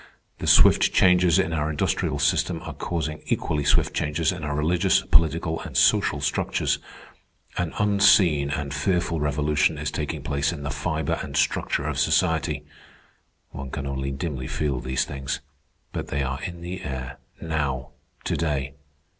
The swift changes in our industrial system are causing equally swift changes in our religious, political, and social structures. An unseen and fearful revolution is taking place in the fibre and structure of society. One can only dimly feel these things. But they are in the air, now, to day.